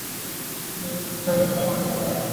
তিনি গ্রিফিথের আমেরিকা চলচ্চিত্রে কাজ করেন।